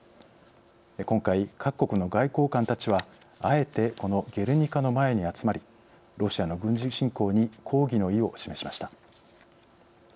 今回各国の外交官たちはあえてこの「ゲルニカ」の前に集まりロシアの軍事侵攻に抗議の意を示しました。